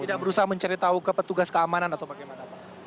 tidak berusaha mencari tahu ke petugas keamanan atau bagaimana pak